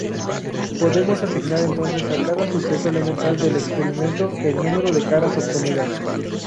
Podemos asignar entonces a cada suceso elemental del experimento el número de caras obtenidas.